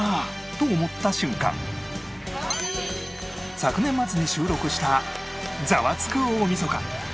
昨年末に収録した『ザワつく！大晦日』